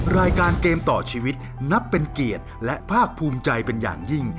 รายการเกมต่อชีวิตนับเป็นเกียรติและภาคภูมิใจเป็นอย่างยิ่ง